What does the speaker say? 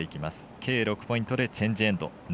計６ポイントでチェンジエンド。